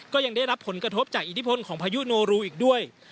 ก็ยังได้รับผลกระทบจากอิทธิพลของพายุโนรูอีกด้วย